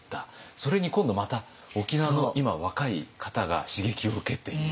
それに今度また沖縄の今若い方が刺激を受けている。